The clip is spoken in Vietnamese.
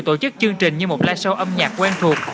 tổ chức chương trình như một live show âm nhạc quen thuộc